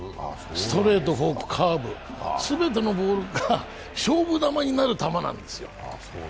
ストレート、フォーク、カーブ、すべてのボールが勝負球になるんですよ。